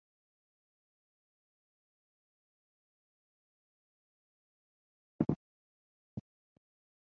"Mad Bess" is oil-fired to avoid the risk of fire in the woods.